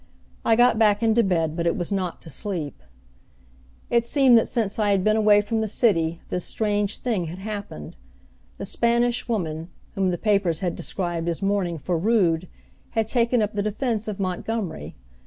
I got back into bed but it was not to sleep. It seemed that since I had been away from the city this strange thing had happened: the Spanish Woman, whom the papers had described as mourning for Rood, had taken up the defense of Montgomery.